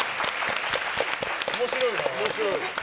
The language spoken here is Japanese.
面白いな。